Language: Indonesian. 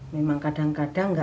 memang kadang kadang gak peduli